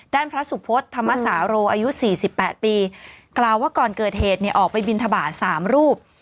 ด้านพระสุพศธรรมสาโรอายุ๔๘ปีกล่าวว่าก่อนเกิดเหตุเนี่ยออกไปบินทบาท๓รูป